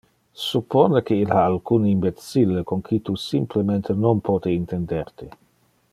Suppone que il ha alcun imbecille con qui tu simplemente non pote intender te.